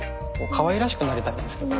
かわいらしくなりたいんですけど。